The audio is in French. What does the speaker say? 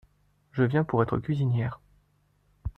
Je viens pour être cuisinière…